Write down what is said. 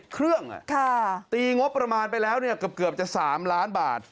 เครื่องตีงบประมาณไปแล้วเกือบจะ๓ล้านบาท